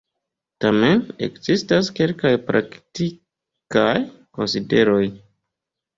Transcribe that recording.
Tamen ekzistas kelkaj praktikaj konsideroj.